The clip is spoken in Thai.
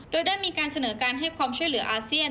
โดยได้มีการเสนอการให้ความช่วยเหลืออาเซียน